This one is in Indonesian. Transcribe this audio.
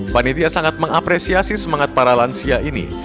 panitia sangat mengapresiasi semangat para lansia ini